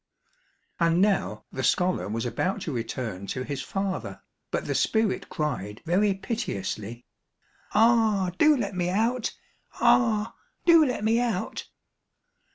And now the scolar was about to return to his father, but the spirit cried very piteously, "Ah, do let me out! ah, do let me out!"